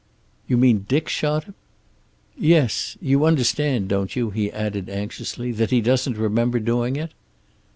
"You mean Dick shot him?" "Yes. You understand, don't you," he added anxiously, "that he doesn't remember doing it?"